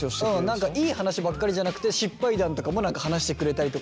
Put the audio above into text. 何かいい話ばっかりじゃなくて失敗談とかも話してくれたりとかすると。